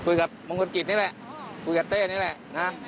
คุยกับมงคลกิจนี่แหละคุยกับเต้นี่แหละนะ